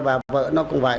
và vợ nó cũng vậy